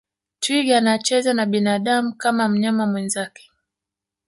twiga anacheza na binadamu kama mnyama mwenzake